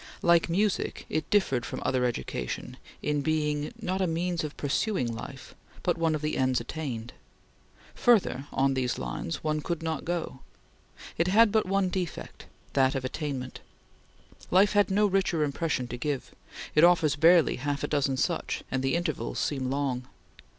Like music, it differed from other education in being, not a means of pursuing life, but one of the ends attained. Further, on these lines, one could not go. It had but one defect that of attainment. Life had no richer impression to give; it offers barely half a dozen such, and the intervals seem long.